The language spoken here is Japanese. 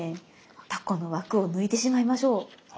タコの枠を抜いてしまいましょう。